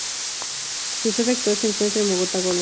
Su sede actual se encuentra en Bogotá, Colombia.